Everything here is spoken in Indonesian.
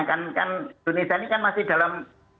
kan kan dunia ini kan masih dalam